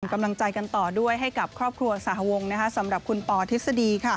กำลังใจกันต่อด้วยให้กับครอบครัวสหวงสำหรับคุณปอทฤษฎี